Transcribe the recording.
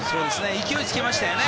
勢いがつきましたよね。